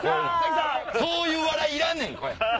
そういう笑いいらんねん！